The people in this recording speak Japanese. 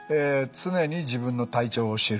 「常に自分の体調を知る」。